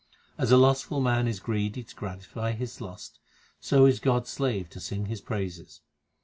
As a lustful man is greedy to gratify his lust, So is God s slave to sing His praises.